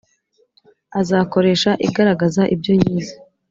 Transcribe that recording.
azakoresha igaragaza ibyo bize